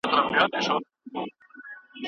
ـ باغ ـ